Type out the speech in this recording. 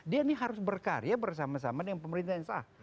dia ini harus berkarya bersama sama dengan pemerintah yang sah